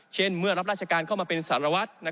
เมื่อรับราชการเข้ามาเป็นสารวัตร